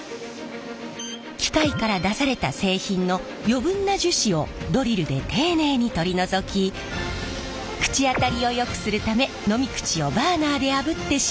機械から出された製品の余分な樹脂をドリルで丁寧に取り除き口当たりをよくするため飲み口をバーナーであぶって仕上げます。